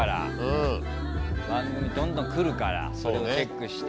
番組どんどん来るからそれチェックして。